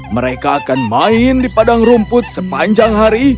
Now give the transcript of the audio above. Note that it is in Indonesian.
mereka akan main di padang rumput sepanjang hari